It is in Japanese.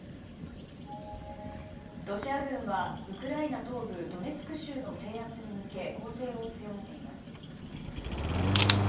ロシア軍は、ウクライナ東部ドネツク州の制圧に向け、攻勢を強めています。